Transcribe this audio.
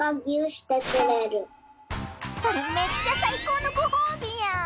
それめっちゃさいこうのごほうびやん！